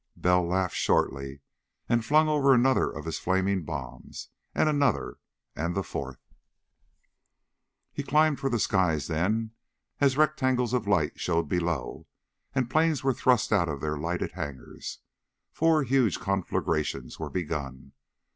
Bell laughed shortly, and flung over another of his flaming bombs, and another, and the fourth.... He climbed for the skies, then, as rectangles of light showed below and planes were thrust out of their lighted hangars. Four huge conflagrations were begun.